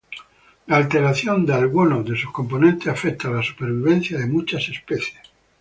La alteración de alguno de sus componentes, afecta la supervivencia de muchas especies.